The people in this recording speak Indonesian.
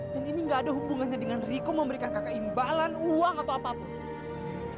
dan ini nggak ada hubungannya dengan riko memberikan kakak imbalan uang atau apapun